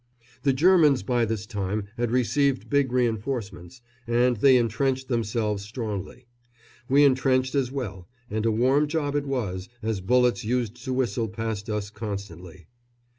The Germans by this time had received big reinforcements, and they entrenched themselves strongly. We entrenched as well, and a warm job it was, as bullets used to whistle past us constantly.